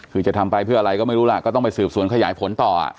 คือจะทำไปเพื่ออะไรก็ไม่รู้ล่ะก็ต้องไปสืบสวนขยายผลต่อ